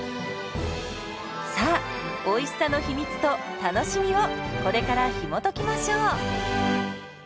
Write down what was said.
さあおいしさの秘密と楽しみをこれからひもときましょう。